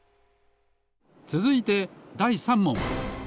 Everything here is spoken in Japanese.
つづいてだい３もん！